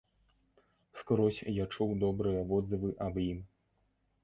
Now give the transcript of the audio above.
Скрозь я чуў добрыя водзывы аб ім.